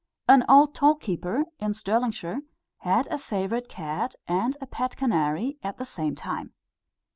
An old toll keeper, in Stirlingshire, had a favourite cat and a pet canary at the same time.